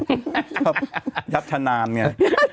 ชอบยับทนานนี่